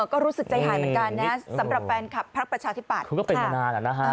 ก็รู้สึกใจหายเหมือนกันนะสำหรับแฟนคับพรรคประชาธิปัตย์